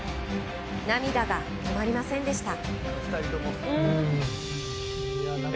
涙が止まりませんでした。